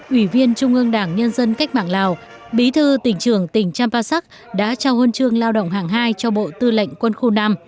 ủy viên trung ương đảng nhân dân cách mạng lào bí thư tỉnh trường tỉnh champasak đã trao huân chương lao động hàng hai cho bộ tư lệnh quân khu năm